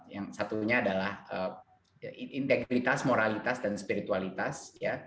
yang satunya adalah integritas moralitas dan spiritualitas ya